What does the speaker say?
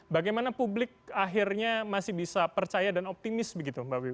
bagaimana publik akhirnya masih bisa percaya dan optimis begitu mbak wiwi